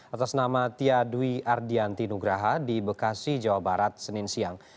atas nama tia dwi ardianti nugraha di bekasi jawa barat senin siang